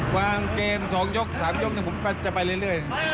กลางเกมสองยกสามยกจนผมจะไปเรื่อย